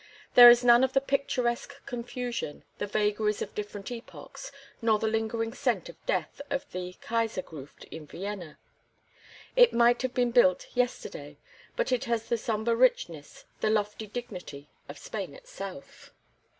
There is none of the picturesque confusion, the vagaries of different epochs, nor the lingering scent of death of the Kaisergruft in Vienna. It might have been built yesterday, but it has the sombre richness, the lofty dignity of Spain itself.